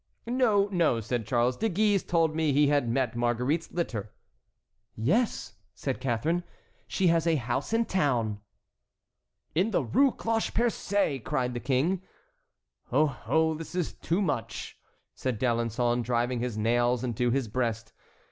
"No, no," said Charles, "De Guise told me he had met Marguerite's litter." "Yes," said Catharine, "she has a house in town." "In the Rue Cloche Percée!" cried the King. "Oh! oh! this is too much," said D'Alençon, driving his nails into his breast.